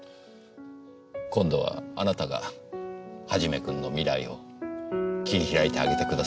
今度はあなたが元君の未来を切り開いてあげてください。